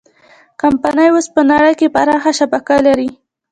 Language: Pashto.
کمپنۍ اوس په نړۍ کې پراخه شبکه لري.